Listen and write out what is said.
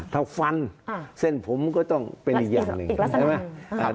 ถ้าฟันเส้นผมก็ต้องเป็นอีกอย่างหนึ่งใช่ไหม